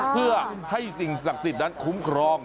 เพื่อให้สิ่งศักดิ์สิทธิ์นั้นคุ้มครอง